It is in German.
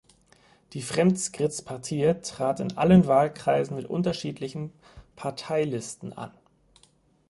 Die Fremskrittspartiet trat in allen Wahlkreisen mit unterschiedlichen Parteilisten an.